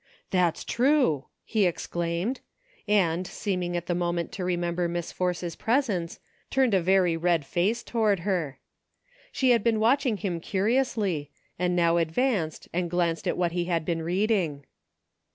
"That's true!" he exclaimed; and, seeming at the moment to remember Miss Force's presence, turned a very red face toward her. She had been watching him curiously, and now advanced and glanced at what he had been reading.